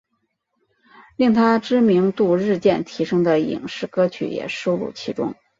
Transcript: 令她知名度日渐提升的影视歌曲也收录其中。